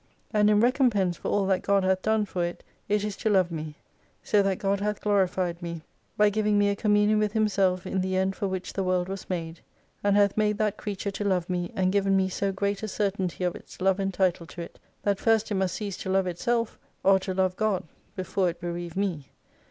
And in recompense for all that God hath done for it it is to love me. So that God hath Glorified me, by giving me a communion with Himself in the end for which the world was made. And hath made that creature to love me, and given me so great a certainty of its love and title to it, that first it must cease to love itself, or to love God before it bereave me.